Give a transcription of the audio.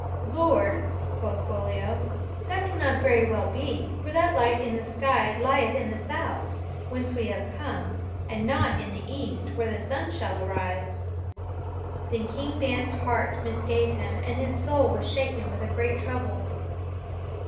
"Lord," quoth Foliot, "that cannot very well be; for that light in the sky lieth in the south, whence we have come, and not in the east, where the sun should arise." Then King Ban's heart misgave him, and his soul was shaken with a great trouble.